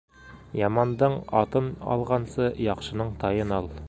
Ямандың атын алғансы, яҡшының тайын ал.